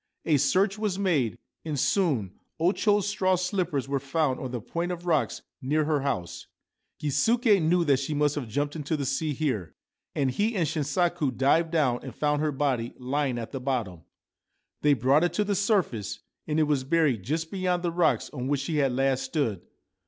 A search was made, and soon O Cho's straw slippers were found on the point of rocks near her house. Gisuke knew she must have jumped into the sea Ancient Tales and Folklore of Japan here, and he and Shinsaku dived down and found her body lying at the bottom. They brought it to the surface, and it was buried just beyond the rocks on which she had last stood.